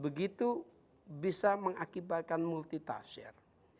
begitu bisa mengakibatkan multitasker